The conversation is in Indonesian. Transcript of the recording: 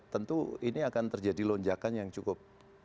tentu ini akan terjadi lonjakan yang cukup